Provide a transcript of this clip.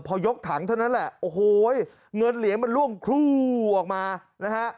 พอยกถังเท่านั้นแหละโอ้โหเงินเหรียญมันล่วงครู่ออกมานะฮะ